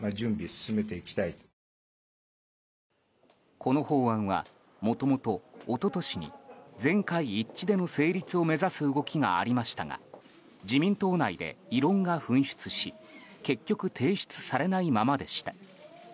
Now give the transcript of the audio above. この法案はもともと一昨年に全会一致での成立を目指す動きがありましたが自民党内で異論が噴出し結局提出されないままでした。